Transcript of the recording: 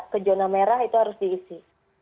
ke zona merah itu harus diisi